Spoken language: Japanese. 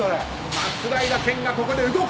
松平健がここで動く！